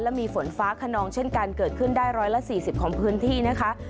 และมีฝนฟ้าคนองเช่นกันเกิดขึ้นได้ร้อยละสี่สิบของพื้นที่นะคะ